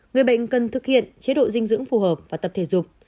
người bệnh cần thực hiện chế độ dinh dưỡng phù hợp và tập thể dục